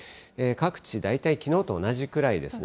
各地、大体きのうと同じくらいですね。